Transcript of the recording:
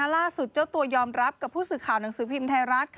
เจ้าตัวยอมรับกับผู้สื่อข่าวหนังสือพิมพ์ไทยรัฐ